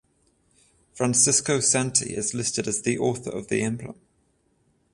Francisco Santi is listed as the author of the emblem.